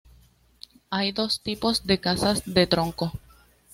Hay dos tipos de casas de troncos.